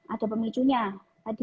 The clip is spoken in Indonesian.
ada pemicunya tadi